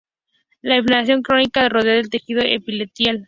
La inflamación crónica rodea el tejido epitelial.